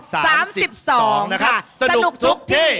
สามสิบสองค่ะสนุกทุกที่